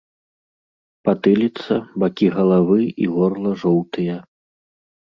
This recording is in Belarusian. Патыліца, бакі галавы і горла жоўтыя.